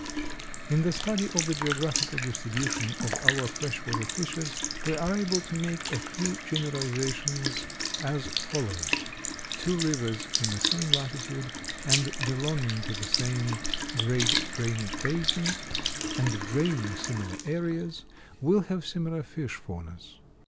In the study of the geographical distribution of our fresh water fishes, we are able to make a few generalizations as follows: Two rivers in the same latitude, and belonging to the same great drainage basin, and draining similar areas, will have similar fish faunas.